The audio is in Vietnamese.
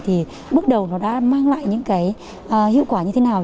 thì bước đầu nó đã mang lại những cái hiệu quả như thế nào